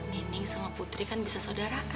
nini sama putri kan kekal di rumah